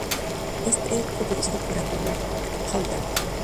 Este Ep fue producido por Andrew Loog Oldham.